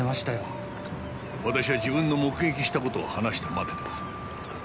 私は自分の目撃した事を話したまでだ。